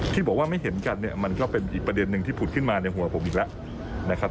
ที่บอกว่าไม่เห็นกันเนี่ยมันก็เป็นอีกประเด็นหนึ่งที่ผุดขึ้นมาในหัวผมอีกแล้วนะครับ